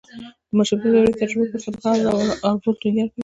د ماشومتوب دورې تجربو پر سابقه او رول ټینګار کوي